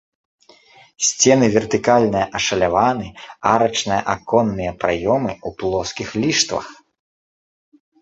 Сцены вертыкальная ашаляваны, арачныя аконныя праёмы ў плоскіх ліштвах.